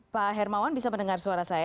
pak hermawan bisa mendengar suara saya